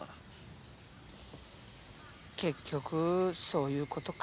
結局そういうことか。